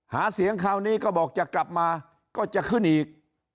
หาเสียงคราวนี้ก็บอกจะกลับมาก็จะขึ้นอีก